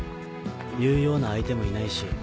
言うような相手もいないし。